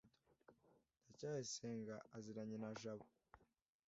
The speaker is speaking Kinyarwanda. ndacyayisenga aziranye na jabo